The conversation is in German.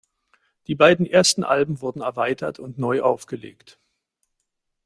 Die beiden ersten Alben wurden erweitert und neu aufgelegt.